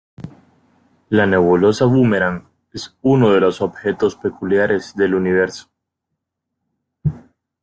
La nebulosa Boomerang es uno de los objetos peculiares del universo.